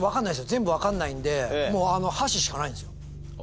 全部わかんないんでもうあの箸しかないんですよ。